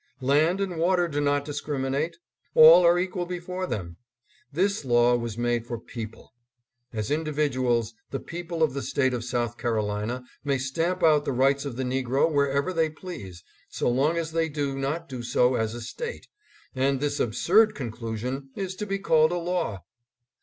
Land and water do not discriminate. All are equal before them. This law was made for people. As indi viduals, the people of the State of South Carolina may stamp out the rights of the negro wherever they please, so long as they do not do so as a State, and this absurb conclusion is to be called a law.